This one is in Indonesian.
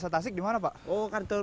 selamat tinggal pak ion